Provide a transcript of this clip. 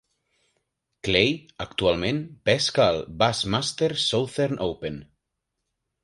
Clay actualment pesca al Bassmaster Southern Open.